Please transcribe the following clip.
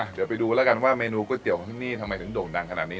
เดี๋ยวไปดูแล้วกันว่าเมนูก๋วยเตี๋ยวของที่นี่ทำไมถึงโด่งดังขนาดนี้